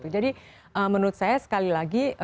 jadi menurut saya sekali lagi